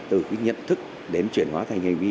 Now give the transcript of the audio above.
từ cái nhận thức đến chuyển hóa thành hành vi